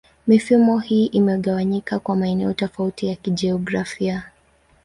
Mifumo hii imegawanyika kwa maeneo tofauti ya kijiografia.